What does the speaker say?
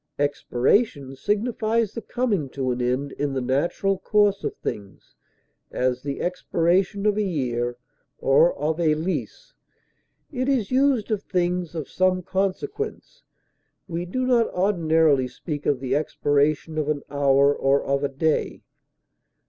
Expiration signifies the coming to an end in the natural course of things; as, the expiration of a year, or of a lease; it is used of things of some consequence; we do not ordinarily speak of the expiration of an hour or of a day.